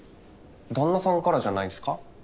旦那さんからじゃないですか？